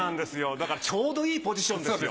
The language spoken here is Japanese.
だからちょうどいいポジションですよ。